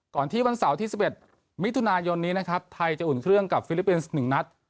ที่วันเสาร์ที่๑๑มิถุนายนนี้นะครับไทยจะอุ่นเครื่องกับฟิลิปปินส์๑นัด